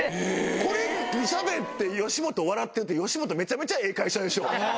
これしゃべって吉本笑ってるって吉本めちゃめちゃええ会社でしょ？